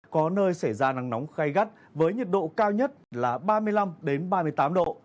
có nơi xảy ra nắng nóng khá gây gắt với nhiệt độ cao nhất là ba mươi năm đến ba mươi tám độ